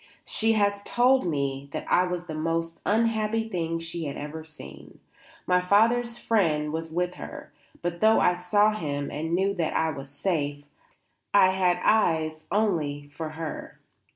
She has told me that I was the most unhappy thing that she had ever seen. My father's friend was with her; but though I saw him and knew that I was safe, I had eyes only for her.